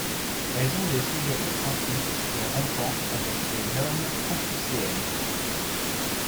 Elles ont des sujets excentriques et rompant avec les normes confucéennes.